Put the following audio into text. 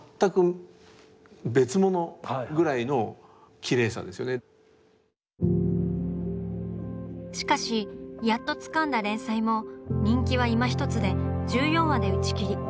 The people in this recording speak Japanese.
あそうですねしかしやっとつかんだ連載も人気はいまひとつで１４話で打ち切り。